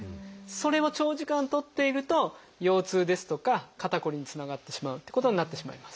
それを長時間とっていると腰痛ですとか肩こりにつながってしまうっていうことになってしまいます。